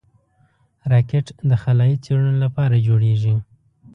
راکټ د خلایي څېړنو لپاره جوړېږي